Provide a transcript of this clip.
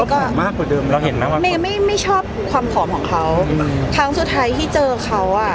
เขาผอมมากกว่าเดิมนะครับไม่ชอบความผอมของเขาทั้งสุดท้ายที่เจอเขา